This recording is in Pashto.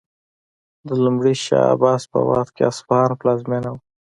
د لومړي شاه عباس په وخت اصفهان پلازمینه و.